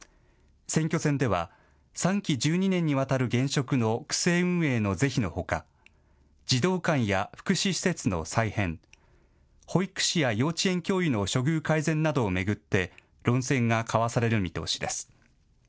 選挙戦では３期１２年にわたる現職の区政運営の是非のほか児童館や福祉施設の再編、保育士や幼稚園教諭の処遇改善などを巡って論戦が交わされる見通しです。